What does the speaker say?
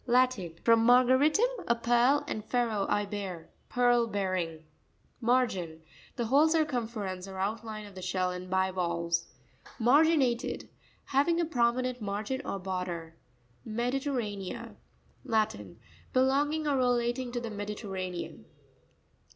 — Latin. From mar garitum, a pearl, and fero, I bear. Pearl bearing. Ma'rain.—The whole circumference or outline of the shell in bivalves. Ma'rainatep.—Having a prominent margin or border. Mepirerra'nea.—Latin. Belonging or relating to the Mediterranean.